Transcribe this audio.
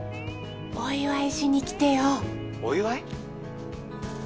お祝いしにきてよお祝い？